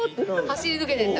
走り抜けてった。